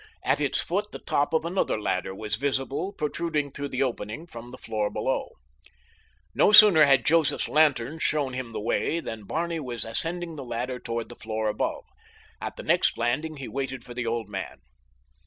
At its foot the top of another ladder was visible protruding through the opening from the floor beneath. No sooner had Joseph's lantern shown him the way than Barney was ascending the ladder toward the floor above. At the next landing he waited for the old man.